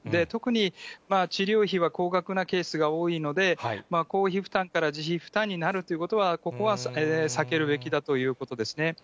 特に治療費は高額なケースが多いので、公費負担から自費負担になるということは、ここは避けるべきだということですね。